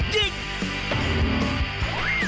ยิง